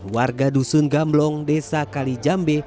warga dusun gamblong desa kalijambe